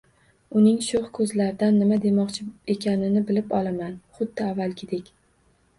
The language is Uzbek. Uning sho‘x ko‘zlaridan nima demoqchi ekanini bilib olaman, xuddi avvalgidek